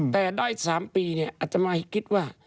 แต่ได้๓ปีอาจจะมาคิดว่า